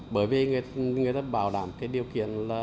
bởi vì người ta bảo đảm cái điều kiện là